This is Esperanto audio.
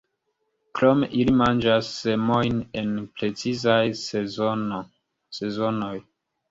Krome ili manĝas semojn en precizaj sezonoj.